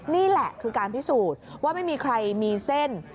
นี่แหละคือการพิสูจน์ว่าไม่มีใครมีเส้น